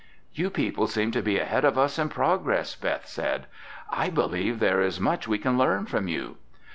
"You people seem to be ahead of us in progress," Beth said. "I believe there is much we can learn from you."